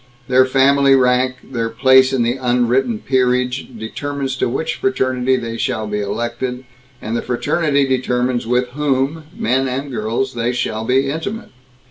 Their family rank, their place in the unwritten peerage, determines to which fraternity they shall be elected, and the fraternity determines with whom men and girls they shall be intimate.